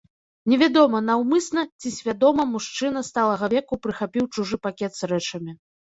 Невядома, наўмысна ці свядома мужчына сталага веку прыхапіў чужы пакет з рэчамі.